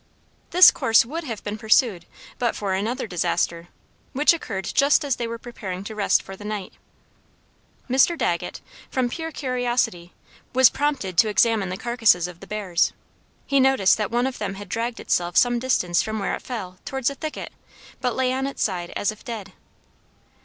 This course would have been pursued, but for another disaster, which occurred just as they were preparing to rest for the night. Mr. Dagget, from pure curiosity, was prompted to examine the carcasses of the bears. He noticed that one of them had dragged itself some distance from where it fell towards a thicket, but lay on its side as if dead.